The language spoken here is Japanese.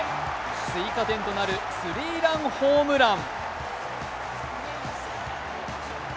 追加点となるスリーランホームラン。